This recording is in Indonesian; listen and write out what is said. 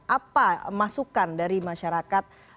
apa masukan dari masyarakat